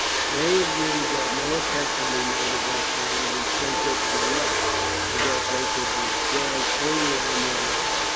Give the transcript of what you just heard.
They agreed that no attack could be made against the enemy's centre or left, and that they could be assailed only on their right.